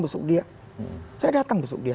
besok dia saya datang besok dia